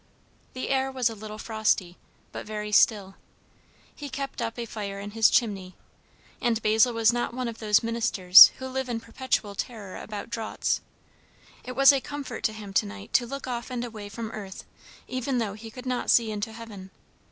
The air was a little frosty, but very still; he kept up a fire in his chimney, and Basil was not one of those ministers who live in perpetual terror about draughts; it was a comfort to him to night to look off and away from earth, even though he could not see into heaven.